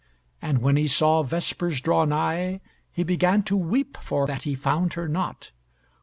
And when he saw vespers draw nigh, he began to weep for that he found her not.